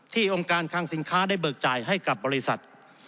องค์การคังสินค้าได้เบิกจ่ายให้กับบริษัท